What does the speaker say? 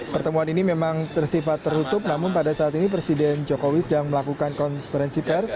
pertemuan ini memang tersifat tertutup namun pada saat ini presiden jokowi sedang melakukan konferensi pers